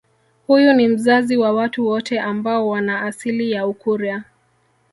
Huyu ni mzazi wa watu wote ambao wana asili ya Ukurya